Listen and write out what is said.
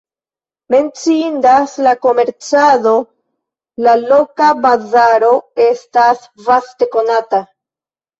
Menciindas la komercado, la loka bazaro estas vaste konata.